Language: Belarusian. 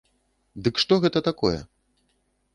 Дык што гэта такое?